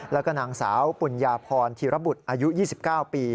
แล้วก็นางสาวปุญญาพรธีรบุตรอายุ๒๙ปี